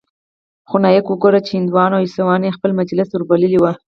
خو نايک وګوره چې هندوان او عيسويان يې خپل مجلس ته وربللي وو.